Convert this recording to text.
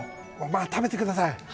まあ、食べてください。